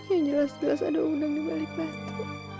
yang jelas jelas ada unang di balik batu